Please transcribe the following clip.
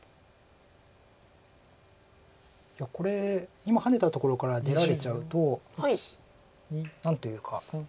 これ今ハネたところから出られちゃうと何というか。